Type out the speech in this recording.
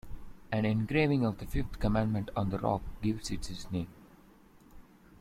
An engraving of the Fifth Commandment on the rock gives it its name.